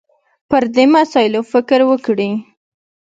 پر دې مسایلو فکر وکړي